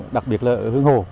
đặc biệt là ở hương hồ